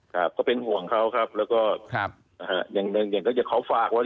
ครับก็เป็นห่วงเขาครับแล้วก็อย่างเดียวเขาฝากว่า